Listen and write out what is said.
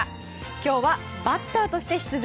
今日はバッターとして出場。